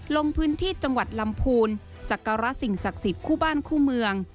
ลงพื้นที่จังหวัดลำพูนสักการะสิ่งศักดิ์สิทธิ์คู่บ้านคู่เมือง